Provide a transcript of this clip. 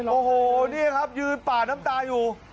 โอ้โหนี่ครับยืนป่าน้ำตาอยู่